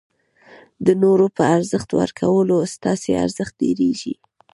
د نورو په ارزښت ورکولو ستاسي ارزښت ډېرېږي.